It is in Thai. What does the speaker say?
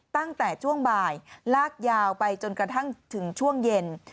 ตั้งแต่ช่วงบ่ายลากยาวไปจนกระทั่งถึงช่วงเย็น